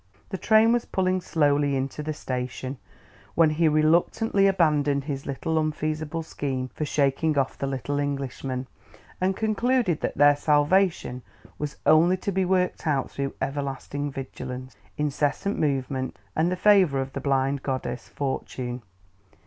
The train was pulling slowly into the station when he reluctantly abandoned his latest unfeasible scheme for shaking off the little Englishman, and concluded that their salvation was only to be worked out through everlasting vigilance, incessant movement, and the favor of the blind goddess, Fortune.